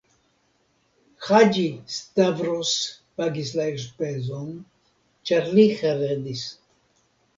Haĝi-Stavros pagis la elspezon, ĉar li heredis.